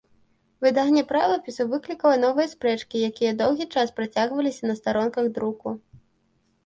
Выданне правапісу выклікала новыя спрэчкі, якія доўгі час працягваліся на старонках друку.